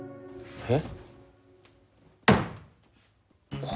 えっ！？